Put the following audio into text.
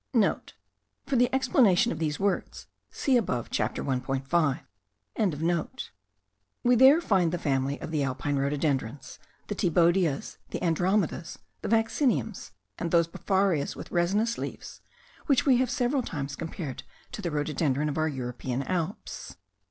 *(* For the explanation of these words, see above Chapter 1.5.) We there find the family of the alpine rhododendrons, the thibaudias, the andromedas, the vacciniums, and those befarias with resinous leaves, which we have several times compared to the rhododendron of our European Alps.